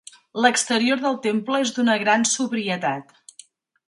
L'exterior del temple és d'una gran sobrietat.